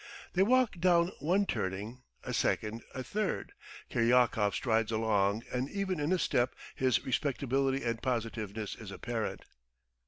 They walk down one turning, a second, a third. ... Kiryakov strides along, and even in his step his respectability and positiveness is apparent.